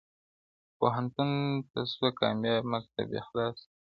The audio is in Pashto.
• پوهنتون ته سوه کامیاب مکتب یې خلاص کئ,